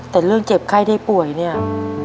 แต่เรื่องเจ็บไข้ได้ป่วยเนี่ย